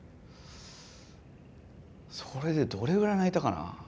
それでどれぐらい泣いたかな。